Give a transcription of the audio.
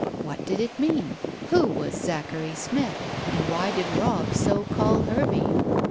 What did it mean? Who was Zachary Smith? And why did Robb so call Hervey?